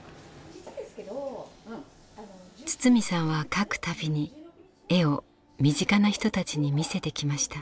堤さんは描く度に絵を身近な人たちに見せてきました。